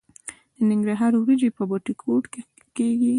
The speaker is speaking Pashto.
د ننګرهار وریجې په بټي کوټ کې کیږي.